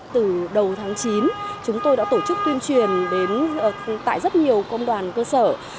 từ đầu tháng chín chúng tôi đã tổ chức tuyên truyền tại rất nhiều công đoàn cơ sở